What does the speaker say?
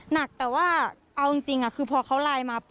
หนักแต่ว่าเอาจริงคือพอเขาไลน์มาปุ